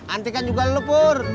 anti kan juga lu pur